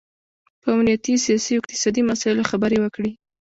په امنیتي، سیاسي او اقتصادي مسایلو خبرې وکړي